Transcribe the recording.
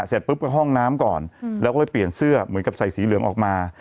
เสร็จปุ๊บไปห้องน้ำก่อนแล้วก็ไปเปลี่ยนเสื้อเหมือนกับใส่สีเหลืองออกมา